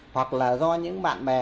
hoặc là do những bạn bè